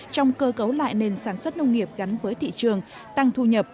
trong cơ cấu lại nền sản xuất nông nghiệp gắn với thị trường tăng thu nhập